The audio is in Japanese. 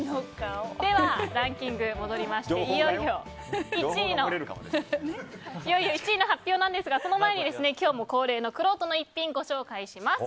では、ランキングに戻りましていよいよ１位の発表ですが、その前に今日も恒例のくろうとの逸品をご紹介します。